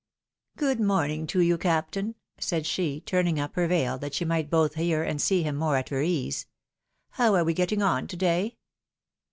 " Good morning to you, captain," said she, turning up her veil that she might both hear and see him more at her ease. " How are we getting on to day